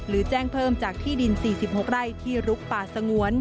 แจ้งเพิ่มจากที่ดิน๔๖ไร่ที่ลุกป่าสงวน